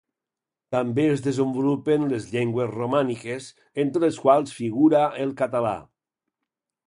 També es desenvolupen les llengües romàniques, entre les quals figura el català.